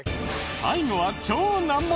最後は超難問！